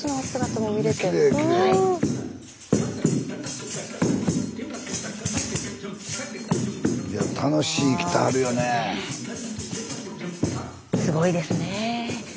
すごいですねえ。